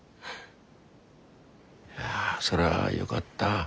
いやそれはよがった。